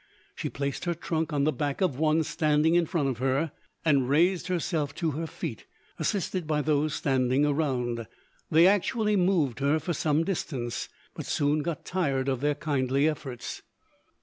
She placed her trunk on the back of one standing in front of her and raised herself to her feet, assisted by those standing around. They actually moved her for some distance, but soon got tired of their kindly efforts.